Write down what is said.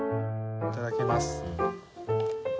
いただきます。